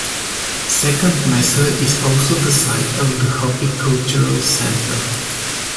Second Mesa is also the site of the Hopi Cultural Center.